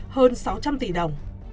hơn sáu trăm linh tỷ đồng